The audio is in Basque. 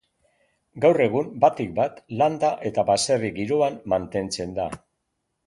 Gaur egun, batik-bat, landa eta baserri giroan mantentzen da.